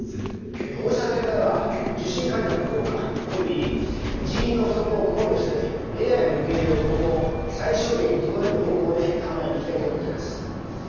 放射線科では受診患者の増加および人員の不足を考慮してＡｉの受け入れを今後最小限にとどめる方向で考えていきたいと思っております。